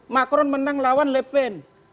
macron menang lawan le pen